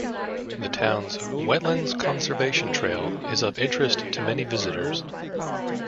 The town's Wetlands Conservation Trail is of interest to many visitors.